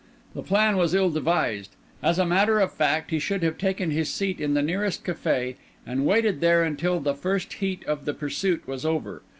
The plan was ill devised: as a matter of fact, he should have taken his seat in the nearest café, and waited there until the first heat of the pursuit was over.